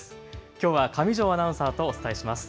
きょうは上條アナウンサーとお伝えします。